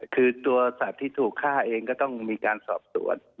คือตัวสัตว์ที่ถูกฆ่าเองก็ต้องมีการสอบสวน